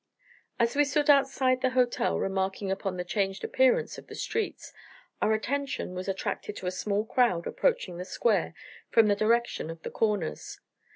As we stood outside the hotel remarking upon the changed appearance of the streets, our attention was attracted to a small crowd approaching the Square from the direction of the Corners.